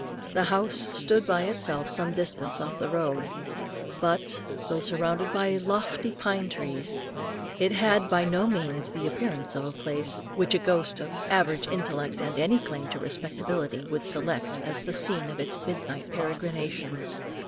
The house stood by itself some distance off the road, but, though surrounded by lofty pine trees, it had by no means the appearance of a place, which a ghost of average intellect and any claim to respectability would select, as the scene of its midnight peregrinations.